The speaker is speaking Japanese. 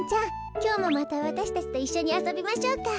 きょうもまたわたしたちといっしょにあそびましょうか。